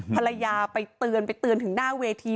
ภรรยาไปเตือนไปเตือนถึงหน้าเวที